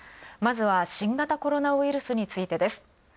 まずは新型コロナウイルスについてです。